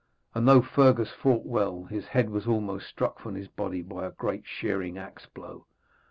And though Fergus fought well, his head was almost struck from his body by a great sheering axe blow.